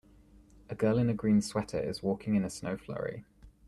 A girl in a green sweater is walking in a snow flurry.